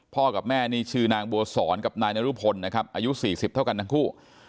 กับแม่นี่ชื่อนางบัวสอนกับนายนรุพลนะครับอายุ๔๐เท่ากันทั้งคู่